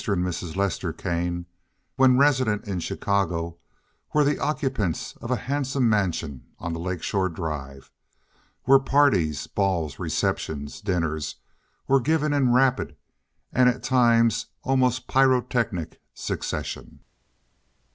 and Mrs. Lester Kane when resident in Chicago were the occupants of a handsome mansion on the Lake Shore Drive, where parties, balls, receptions, dinners were given in rapid and at times almost pyrotechnic succession.